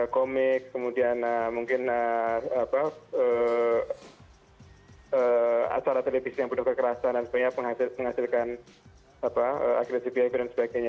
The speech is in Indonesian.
komik kemudian mungkin acara televisi yang penuh kekerasan dan sebagainya menghasilkan agresif behavior dan sebagainya